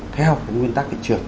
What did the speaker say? theo cái nguyên tắc kịch trường